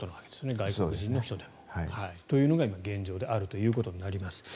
外国人の人でも。というのが現状であるということです。